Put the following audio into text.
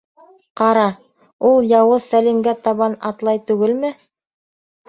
Ҡара, ул яуыз Сәлимгә табан атлай түгелме?